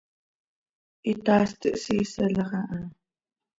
Hitaast ihsiiselax aha.